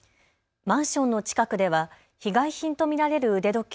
マンションの近くでは被害品と見られる腕時計